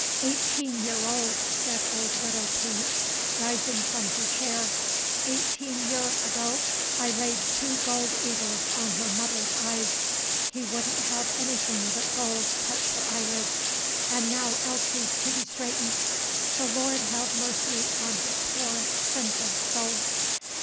"Eighteen year old," said old Widow Peake, rising from her chair. "Eighteen year ago I laid two gold eagles on her mother's eyes, he wouldn't have anything but gold touch her eyelids, and now Elsie's to be straightened, the Lord have mercy on her poor sinful soul!"